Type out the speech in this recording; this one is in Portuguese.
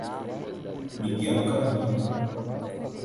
Miguel Calmon